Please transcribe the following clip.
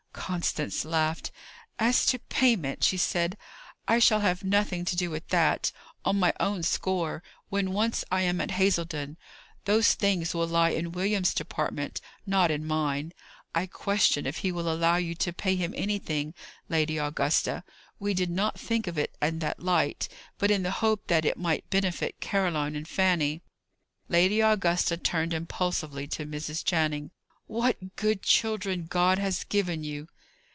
Constance laughed. "As to payment," she said, "I shall have nothing to do with that, on my own score, when once I am at Hazledon. Those things will lie in William's department, not in mine. I question if he will allow you to pay him anything, Lady Augusta. We did not think of it in that light, but in the hope that it might benefit Caroline and Fanny." Lady Augusta turned impulsively to Mrs. Channing. "What good children God has given you!"